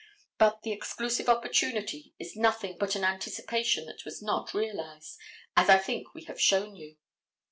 But the exclusive opportunity is nothing but an anticipation that was not realized, as I think we have shown you.